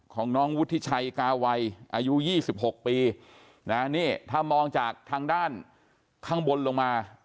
ของคุณวุฒิชัยกาวัยอายุ๒๖ปีนะนี่ถ้ามองจากทางด้านข้างบนลงมา